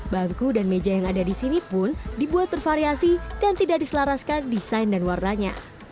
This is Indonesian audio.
bangku dan meja yang ada di sini pun dibuat bervariasi dan tidak diselaraskan desain dan warnanya